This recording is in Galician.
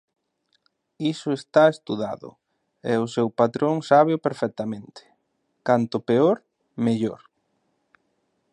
Iso está estudado, e o seu patrón sábeo perfectamente: canto peor, mellor.